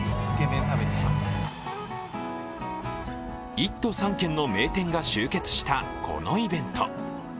１都３県の名店が集結したこのイベント。